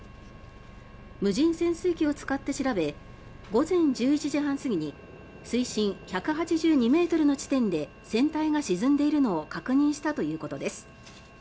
無人潜水機を使って調べ午前１１時半過ぎに水深１８２ｍの地点で船体が沈んでいるのを確認したということです。